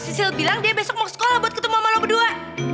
sisil bilang dia besok mau ke sekolah buat ketemu sama lo berdua